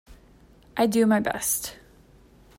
I do my best.